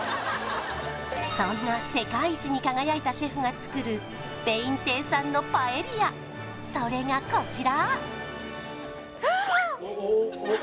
そんな世界一に輝いたシェフが作るすぺいん亭さんのパエリアそれがこちらああっ！